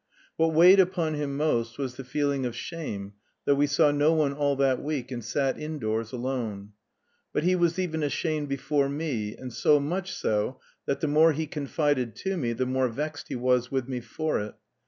What weighed upon him most was the feeling of shame, though we saw no one all that week, and sat indoors alone. But he was even ashamed before me, and so much so that the more he confided to me the more vexed he was with me for it.